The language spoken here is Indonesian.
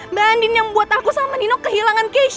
mbak andin yang buat aku sama nino kehilangan keisha